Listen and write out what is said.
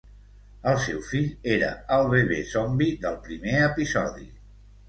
El seu fill era el bebè zombi del primer episodi.